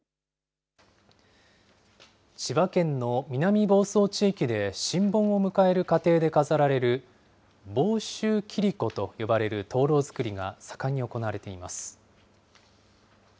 千葉県の南房総地域で、新盆を迎える家庭で飾られる房州切子と呼ばれる灯籠作りが盛んに行われています。